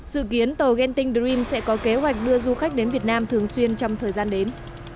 dự kiến tàu genting dream sẽ có kế hoạch đưa du khách đến việt nam thường xuyên trong thời gian đến